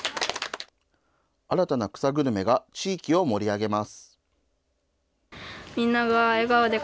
新たな草グルメが地域を盛り上げます。